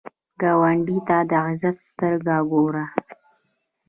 ګاونډي ته د عزت سترګو ګوره